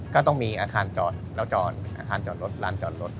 ก็ต้องมีอาคารจอดเราจอดอาคารจอดรถร้านจอดรถ